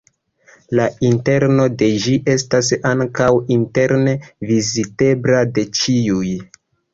La interno de ĝi estas ankaŭ interne vizitebla de ĉiuj.